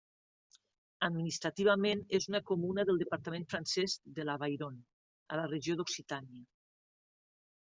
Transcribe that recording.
Administrativament és una comuna del departament francès de l'Avairon, a la regió d'Occitània.